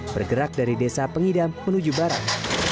bergerak dari desa pengidam menuju barat